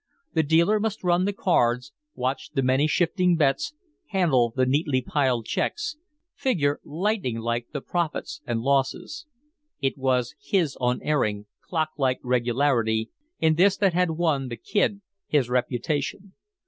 The dealer must run the cards, watch the many shifting bets, handle the neatly piled checks, figure, lightning like, the profits and losses. It was his unerring, clock like regularity in this that had won the Kid his reputation.